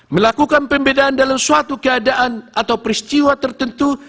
melakukan pembedaan dalam suatu keadaan atau peristiwa tertentu